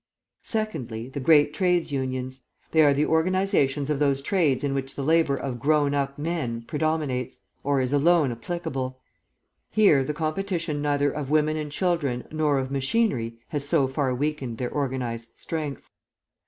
"Secondly, the great Trades' Unions. They are the organisations of those trades in which the labour of grown up men predominates, or is alone applicable. Here the competition neither of women and children nor of machinery has so far weakened their organised strength.